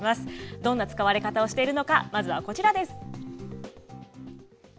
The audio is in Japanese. どんな使われ方をしているのか、まずはこちらです。